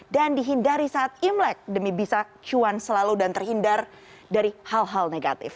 dan dihindari saat imlek demi bisa cuan selalu dan terhindar dari hal hal negatif